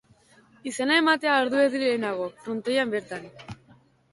Izena ematea ordu erdi lehenago, frontoian bertan.